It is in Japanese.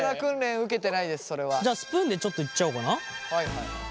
じゃあスプーンでちょっといっちゃおうかな。